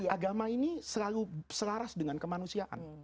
agama ini selalu selaras dengan kemanusiaan